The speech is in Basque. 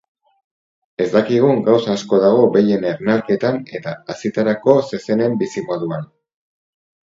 Ez dakizun gauza asko dago behien ernalketan eta hazitarako zezenen bizimoduan.